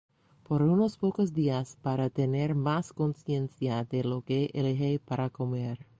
por unos pocos días para tener más consciencia de lo que elige para comer